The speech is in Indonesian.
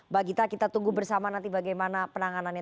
mbak gita kita tunggu bersama nanti bagaimana penanganannya